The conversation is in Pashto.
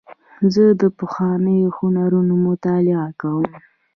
زه د پخوانیو هنرونو مطالعه کوم.